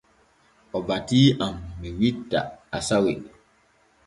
O batii am mi witta asawe.